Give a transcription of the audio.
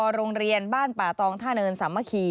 พอโรงเรียนบ้านป่าตองท่านเอิญสามะขี่